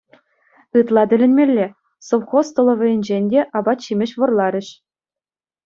Ытла тӗлӗнмелле: совхоз столовӑйӗнчен те апат-ҫимӗҫ вӑрларӗҫ.